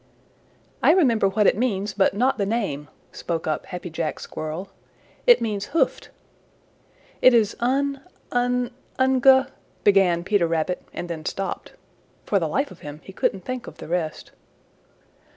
"I remember what it means, but not the name," spoke up Happy Jack Squirrel. "It means hoofed." "It is Un Un Ungu " began Peter Rabbit and then stopped. For the life of him he couldn't think of the rest.